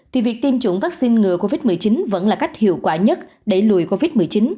thì việc tiêm chủng vaccine ngừa covid một mươi chín vẫn là cách hiệu quả nhất đẩy lùi covid một mươi chín